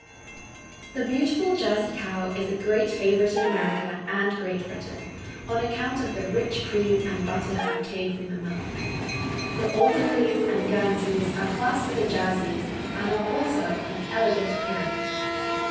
The beautiful Jersey cow is a great favorite in America and Great Britain on account of the rich cream and butter obtained from the milk. The Alderneys and Guernseys are classed with the Jerseys and are also of "elegant appearance."